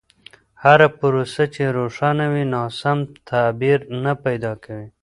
هره پروسه چې روښانه وي، ناسم تعبیر نه پیدا کوي.